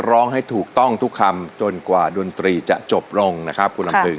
ร้องให้ถูกต้องทุกคำจนกว่าดนตรีจะจบลงนะครับคุณลำพึง